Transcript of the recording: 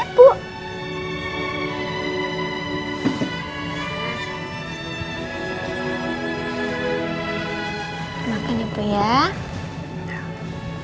ibu ini kiki bawain sup ayam untuk ibu